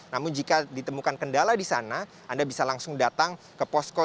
namun jika ditemukan kendala di sana anda bisa langsung datang ke posko